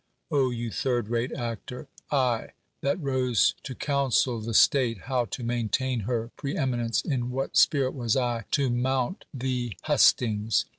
— you third rate actor! — I, that rose to counsel the state how to maintain h r preeminence ! in what spirit was I to mount the hustings?